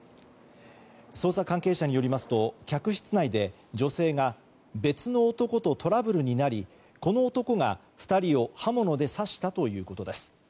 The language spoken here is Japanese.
捜査関係者によりますと客室内で女性が別の男とトラブルになりこの男が２人を刃物で刺したということです。